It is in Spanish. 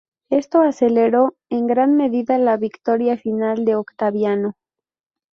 Esto aceleró en gran medida la victoria final de Octaviano.